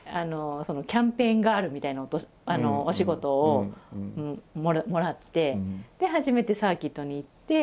キャンペーンガールみたいなお仕事をもらってで初めてサーキットに行って。